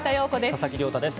佐々木亮太です。